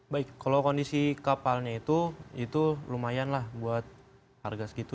baik kalau kondisi kapalnya itu itu lumayan lah buat harga segitu